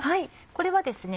これはですね